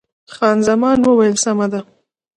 خان زمان وویل، سمه ده.